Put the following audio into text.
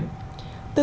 tư tưởng nhân phân